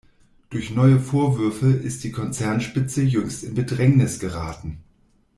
Durch neue Vorwürfe ist die Konzernspitze jüngst in Bedrängnis geraten.